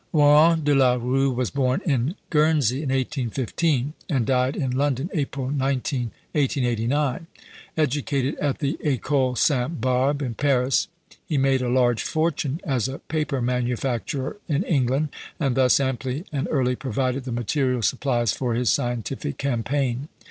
Warren de la Rue was born in Guernsey in 1815, and died in London April 19, 1889. Educated at the École Sainte Barbe in Paris, he made a large fortune as a paper manufacturer in England, and thus amply and early provided the material supplies for his scientific campaign.